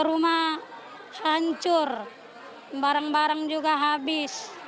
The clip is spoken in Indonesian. rumah hancur barang barang juga habis